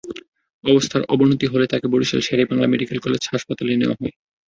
অবস্থার অবনতি হলে তাঁকে বরিশাল শের-ই-বাংলা মেডিকেল কলেজ হাসপাতালে নেওয়া হয়।